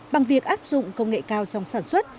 bằng việc áp dụng công nghệ cao trong sản xuất